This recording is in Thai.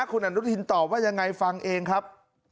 คุณอนุทินตอบว่ายังไงฟังเองครับ